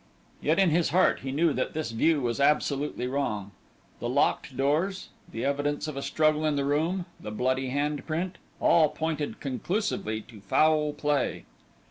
Yet in his heart he knew that this view was absolutely wrong. The locked doors, the evidence of a struggle in the room, the bloody hand print, all pointed conclusively to foul play.